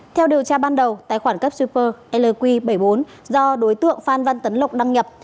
theo điều tra ban đầu tài khoản cấp super lq bảy mươi bốn do đối tượng phan văn tấn lộc đăng nhập